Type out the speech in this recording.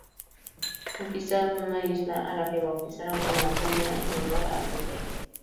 Conquistaron una isla a la que bautizaron como Antonia en honor al virrey.